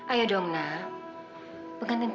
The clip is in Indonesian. iya umi selalu terus ke canon itu